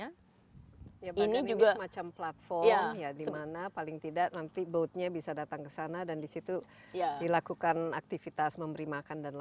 ya bagan ini semacam platform ya dimana paling tidak nanti boatnya bisa datang ke sana dan di situ dilakukan aktivitas memberi makanan